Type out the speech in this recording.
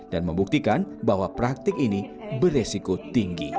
dan membuktikan bahwa praktik ini beresiko tinggi